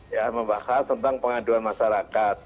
ya membahas tentang pengaduan masyarakat